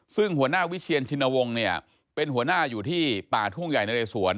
ซึ่งหัวหน้าวิเชียนชินวงศ์เนี่ยเป็นหัวหน้าอยู่ที่ป่าทุ่งใหญ่นะเรสวน